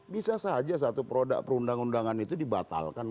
bisa saja satu produk perundang undangan itu dibatalkan